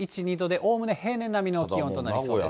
おおむね平年並みの気温となりそうです。